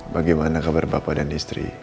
bagaimana kabar bapak dan istri